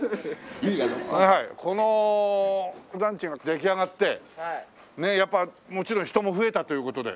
この団地が出来上がってやっぱもちろん人も増えたという事で。